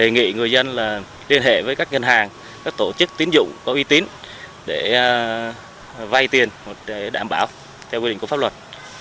đề nghị người dân liên hệ với các ngân hàng các tổ chức tín dụng có uy tín để vay tiền để đảm bảo theo quy định của pháp luật